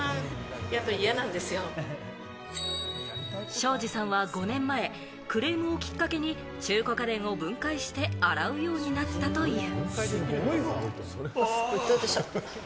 庄司さんは５年前、クレームをきっかけに、中古家電を分解して洗うようになったという。